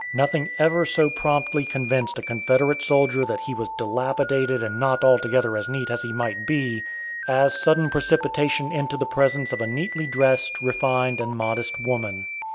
Nothing ever so promptly convinced a Confederate soldier that he was dilapidated and not altogether as neat as he might be, as sudden precipitation into the presence of a neatly dressed, refined, and modest woman.